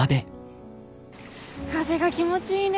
風が気持ちいいね。